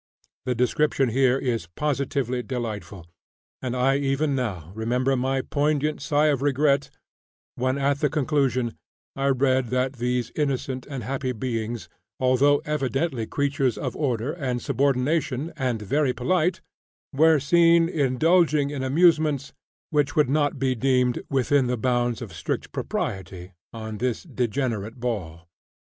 The description here is positively delightful, and I even now remember my poignant sigh of regret when, at the conclusion, I read that these innocent and happy beings, although evidently "creatures of order and subordination," and "very polite," were seen indulging in amusements which would not be deemed "within the bounds of strict propriety" on this degenerate ball.